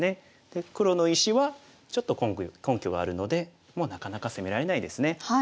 で黒の石はちょっと根拠があるのでもうなかなか攻められないですね。